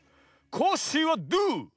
コッシーはドゥ？